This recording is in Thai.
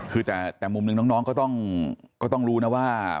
คือแต่มุมหนึ่งน้องก็ต้องรู้นะว่า